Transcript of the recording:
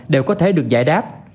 đều có thể được giải đáp